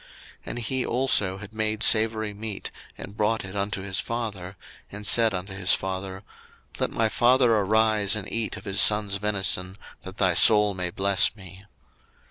01:027:031 And he also had made savoury meat, and brought it unto his father, and said unto his father, Let my father arise, and eat of his son's venison, that thy soul may bless me.